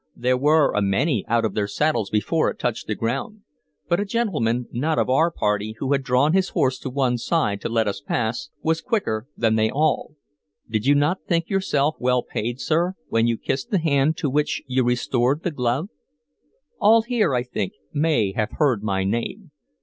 There were a many out of their saddles before it touched the ground, but a gentleman, not of our party, who had drawn his horse to one side to let us pass, was quicker than they all. Did you not think yourself well paid, sir, when you kissed the hand to which you restored the glove? All here, I think, may have heard my name.